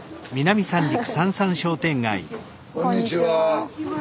こんにちは。